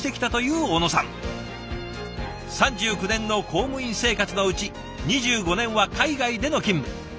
３９年の公務員生活のうち２５年は海外での勤務。